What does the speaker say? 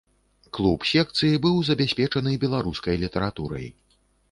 Клуб секцыі быў забяспечаны беларускай літаратурай.